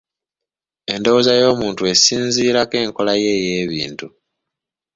Endowooza y'omuntu esinziirako enkola ye ey'ebintu.